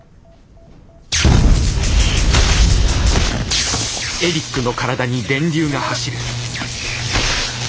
うっ。